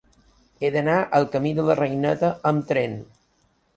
He d'anar al camí de la Reineta amb tren.